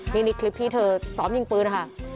นี่คลิปที่เธอซ้อมยิงปืนนะคะ